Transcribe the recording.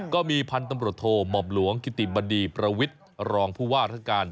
ก็มีพันธุ์ตำรวจโทษหมอบหลวงคิติบดีประวิทรองภูวาธกาล